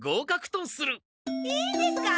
いいんですか？